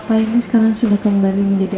papa ini sekarang sudah kembali menjadi